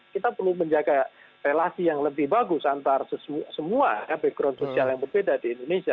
kita perlu menjaga relasi yang lebih bagus antara semua background sosial yang berbeda di indonesia